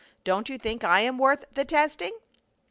Don't you think I am worth the testing?"